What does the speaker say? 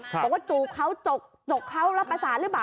ก็ก็จูบเขาจกเขารับประสานรึเปล่า